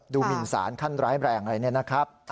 ดูผิดสารขั้นแรงอะไรแน่นะครับ